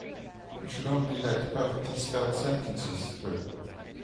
You should only let perfectly spelled sentences through.